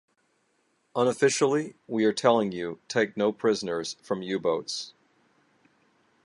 Unofficially, we are telling you... take no prisoners from U-boats.